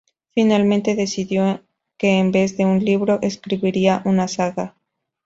Finalmente decidió que en vez de un libro escribiría una saga.